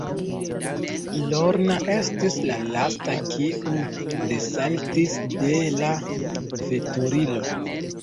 Lorna estis la lasta, kiu desaltis de la veturilo.